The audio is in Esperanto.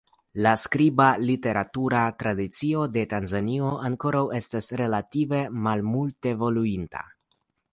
La skriba literatura tradicio de Tanzanio ankoraŭ estas relative malmultevoluinta.